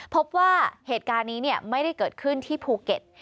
พบว่าเหตุการณ์นี้ไม่ได้เกิดขึ้นที่ภูเก็ต